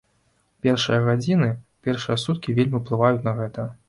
Першыя гадзіны, першыя суткі вельмі ўплываюць на гэта.